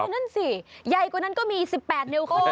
นั่นสิใหญ่กว่านั้นก็มี๑๘นิ้วครึ่ง